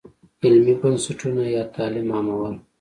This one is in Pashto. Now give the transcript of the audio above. علمي بنسټونه یا تعلیم عامول.